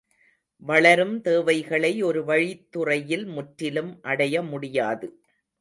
வளரும் தேவைகளை ஒரு வழித்துறையில் முற்றிலும் அடைய முடியாது.